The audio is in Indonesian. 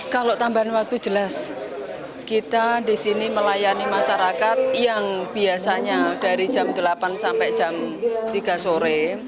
kalau tambahan waktu jelas kita di sini melayani masyarakat yang biasanya dari jam delapan sampai jam tiga sore